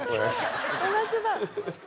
同じだ。